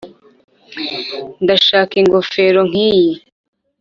ndashaka ingofero nkiyi.